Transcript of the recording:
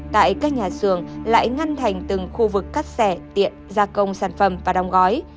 tại các nhà xưởng lại ngăn thành từng khu vực cắt xẻ tiện gia công sản phẩm và đóng gói